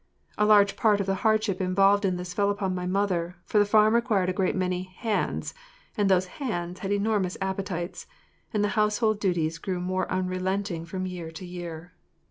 A large part of the hardship involved in this fell upon my mother, for the farm required a great many “hands,” and these “hands” had enormous appetites, and the household duties grew more unrelenting from year to year.